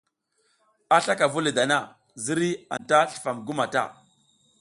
A slaka vu le dana, ziriy anta slifam gu mata.